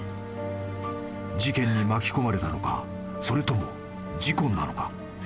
［事件に巻き込まれたのかそれとも事故なのか］